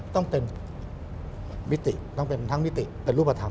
ต้องเป็นมิติเป็นรูปธรรม